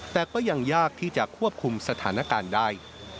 แต่ก็ยังยากที่จะควบคุมสถานการณ์ได้